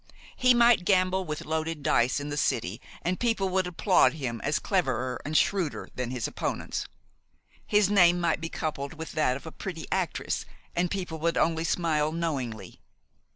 He might gamble with loaded dice in the City, and people would applaud him as cleverer and shrewder than his opponents. His name might be coupled with that of a pretty actress, and people would only smile knowingly.